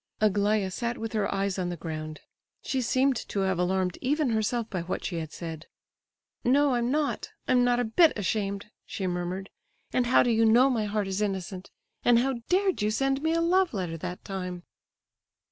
Aglaya sat with her eyes on the ground; she seemed to have alarmed even herself by what she had said. "No, I'm not; I'm not a bit ashamed!" she murmured. "And how do you know my heart is innocent? And how dared you send me a love letter that time?"